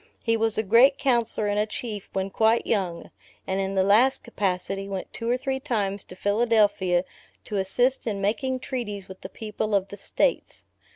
He was a great Counsellor and a Chief when quite young; and in the last capacity, went two or three times to Philadelphia to assist in making treaties with the people of the states.